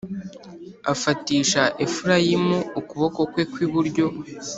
afatisha Efurayimu ukuboko kwe kw iburyo